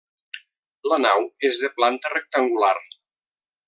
La nau és de planta rectangular.